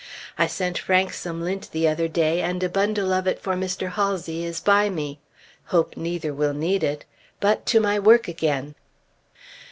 I sent Frank some lint the other day, and a bundle of it for Mr. Halsey is by me. Hope neither will need it! But to my work again!